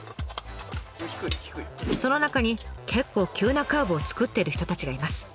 その中に結構急なカーブを作ってる人たちがいます。